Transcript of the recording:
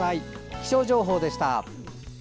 気象情報でした。